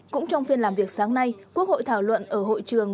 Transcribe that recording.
cũng trong phiên làm việc sáng nay quốc hội thảo luận ở hội trường